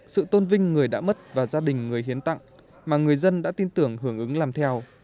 sự tôn vinh người đã mất và gia đình người hiến tặng mà người dân đã tin tưởng hưởng ứng làm theo